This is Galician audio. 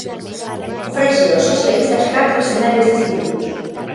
Ofrece aos socialistas catro escenarios distintos.